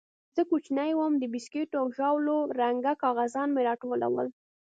زه چې کوچنى وم د بيسکوټو او ژاولو رنګه کاغذان مې راټولول.